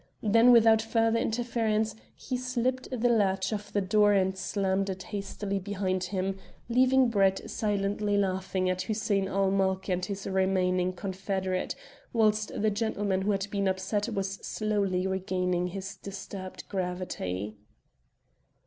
Then, without further interference, he slipped the latch of the door and slammed it hastily behind him, leaving Brett silently laughing at Hussein ul Mulk and his remaining confederate, whilst the gentleman who had been upset was slowly regaining his disturbed gravity.